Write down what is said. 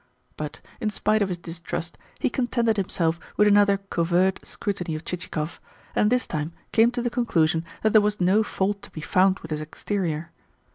But, in spite of his distrust, he contented himself with another covert scrutiny of Chichikov, and this time came to the conclusion that there was no fault to be found with his exterior).